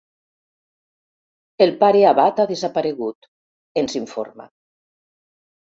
El pare abat ha desaparegut —ens informa—.